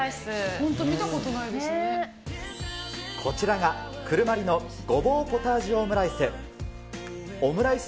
本当、こちらが、クルマリのごぼうポタージュオムライス。